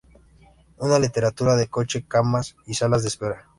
Una literatura de coche-camas y salas de espera".